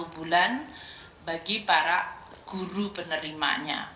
dua bulan bagi para guru penerimanya